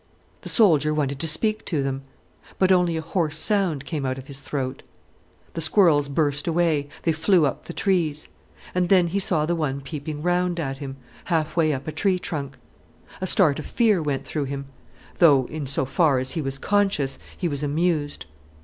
The soldier wanted to speak to them. But only a hoarse sound came out of his throat. The squirrels burst away—they flew up the trees. And then he saw the one peeping round at him, half way up a tree trunk. A start of fear went through him, though, in so far as he was conscious, he was amused.